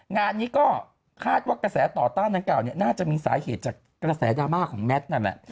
งานนี้ก็คาดว่ากระแสต่อต้านดังกล่าวเนี่ยน่าจะมีสาเหตุจากกระแสดราม่าของแมทนั่นแหละ